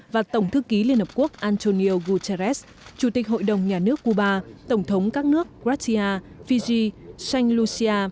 và tổng thư ký liên hợp quốc antonio guterres chủ tịch hội đồng nhà nước cuba tổng thống các nước gratia fiji san lucia